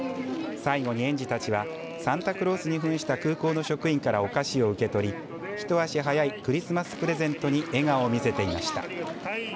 最後に園児たちはサンタクロースにふんした空港の職員からお菓子を受け取り一足早いクリスマスプレゼントに笑顔を見せていました。